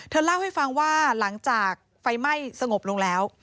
เล่าให้ฟังว่าหลังจากไฟไหม้สงบลงแล้ว